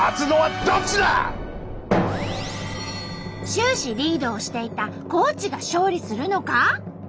終始リードをしていた高知が勝利するのか！？